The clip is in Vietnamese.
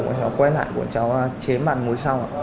bọn cháu quen lại bọn cháu